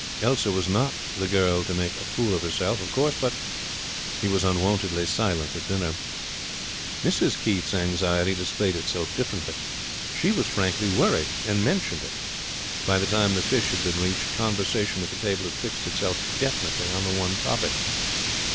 Elsa was not the girl to make a fool of herself, of course, but He was unwontedly silent at dinner. Mrs Keith's anxiety displayed itself differently. She was frankly worried, and mentioned it. By the time the fish had been reached conversation at the table had fixed itself definitely on the one topic.